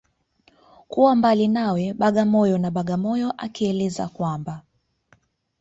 Kuwa mbali nawe Bagamoyo na Bagamoyo akieleza kwamba